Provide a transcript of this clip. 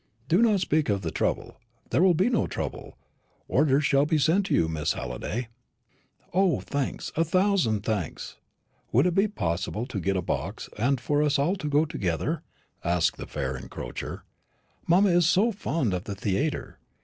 "Do not speak of the trouble; there will be no trouble. The orders shall be sent you, Miss Halliday." "O, thanks a thousand thanks! Would it be possible to get a box, and for us all to go together?" asked the fair encroacher; "mamma is so fond of the theatre.